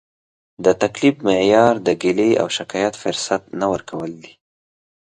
د تکلیف معیار د ګیلې او شکایت فرصت نه ورکول دي.